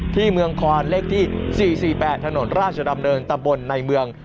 ที่เมืองคอนเลขที่๔๔๘ถนนราชดำเนินตำบลในเมือง